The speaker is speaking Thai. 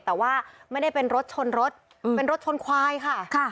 แต่ว่าไม่ได้เป็นรถชนรถเป็นรถชนควายค่ะ